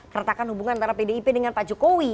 keretakan hubungan antara pdip dengan pak jokowi